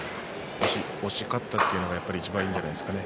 押し勝ったというのが、いちばんいいんじゃないですかね。